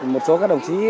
một số các đồng chí